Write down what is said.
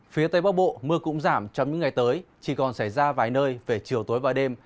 phía tây bắc bộ mưa cũng giảm trong những ngày tới chỉ còn xảy ra vài nơi về chiều tối và đêm